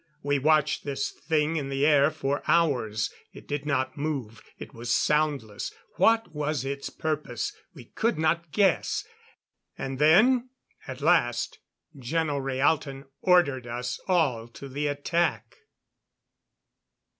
We watched this thing in the air for hours. It did not move; it was soundless. What was its purpose? We could not guess. And then at last, Geno Rhaalton ordered us all to the attack.